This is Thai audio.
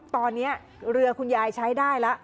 ตอนนี้เรือคุณยายใช้ได้แล้ว